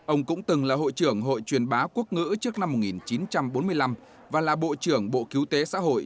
ông cũng từng là hội trưởng hội truyền bá quốc ngữ trước năm một nghìn chín trăm bốn mươi năm và là bộ trưởng bộ cứu tế xã hội